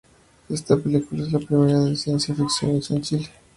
Esta película es la primera de ciencia ficción hecha en Chile.